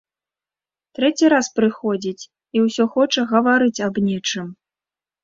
Трэці раз прыходзіць і ўсё хоча гаварыць аб нечым.